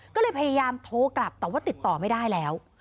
ก็เลยพยายามโทรกลับแต่ว่าติดต่อไม่ได้แล้ว